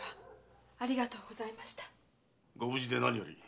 ご無事で何より。